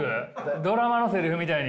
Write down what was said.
ドラマのセリフみたいに？